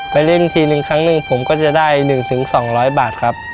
ไปเล่นทีนึงครั้งหนึ่งผมก็จะได้๑๒๐๐บาทครับ